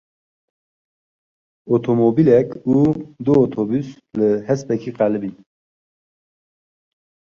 Otomobîlek û du otobûs li hespekî qelibîn.